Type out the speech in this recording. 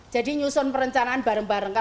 jadi nyusun perencanaan bareng bareng